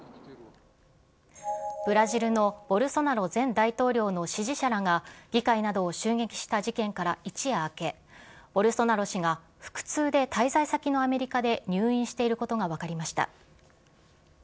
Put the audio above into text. ブラジルのボルソナロ前大統領の支持者らが議会などを襲撃した事件から一夜明け、ボルソナロ氏が、腹痛で滞在先のアメリカで入院していることが分かりました。